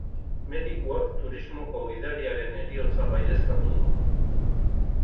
Medikuak turismoko gidariaren heriotza baieztatu du.